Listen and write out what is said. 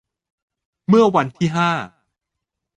เมื่อวันที่ ห้า